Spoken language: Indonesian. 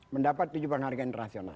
mendapat tujuh penghargaan internasional